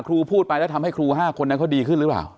ครูพูดไปแล้วทำให้ครู๕คนนั้นเขาดีขึ้นหรือเปล่า